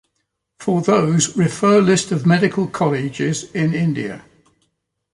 For those, refer List of medical colleges in India.